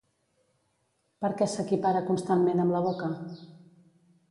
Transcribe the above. Per què s'equipara constantment amb la boca?